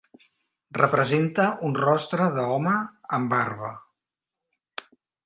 Representa un rostre d'home amb barba.